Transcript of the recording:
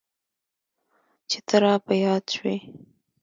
چي ته را په ياد سوې.